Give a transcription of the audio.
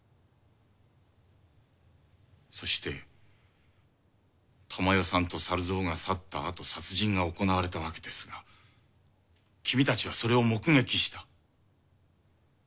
そして珠世さんと猿蔵が去ったあと殺人が行われたわけですが君たちはそれを目撃した。